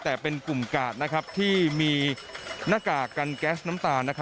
แต่เป็นกลุ่มกาดที่มีหน้ากากกันแก๊สน้ำตาล